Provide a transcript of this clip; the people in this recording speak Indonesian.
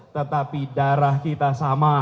tetapi darah kita sama